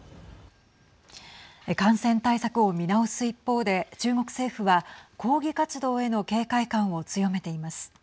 感染対策を見直す一方で中国政府は抗議活動への警戒感を強めています。